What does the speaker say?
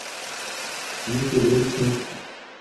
امچو لیل چھا